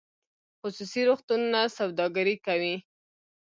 خصوصي روغتونونه سوداګري کوي